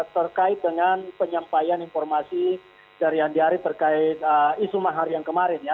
terkait dengan penyampaian informasi dari andi arief terkait isu mahar yang kemarin ya